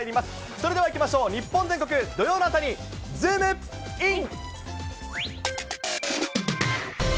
それではいきましょう、日本全国土曜の朝にズームイン！！